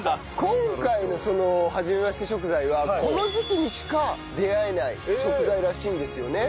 今回のその初めまして食材はこの時期にしか出会えない食材らしいんですよね。